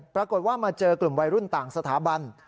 ปรากฏว่ามาเจอกลุ่มวัยรุ่นต่างสถาบัน